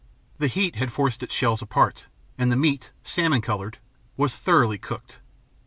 The heat had forced its shells apart, and the meat, salmon colored, was thoroughly cooked.